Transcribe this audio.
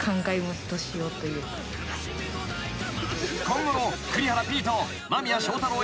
［今後の栗原Ｐと間宮祥太朗